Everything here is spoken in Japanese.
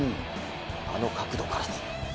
あの角度からと。